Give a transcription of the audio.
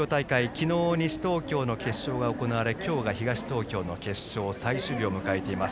昨日、西東京の決勝が行われ今日が東東京決勝最終日を迎えています。